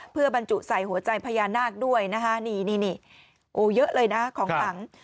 เพื่อบรรจุใส่หัวใจพญานาคด้วยนะคะนี่นี่โอ้เยอะเลยนะของขัง